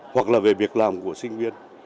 hoặc là về việc làm của sinh viên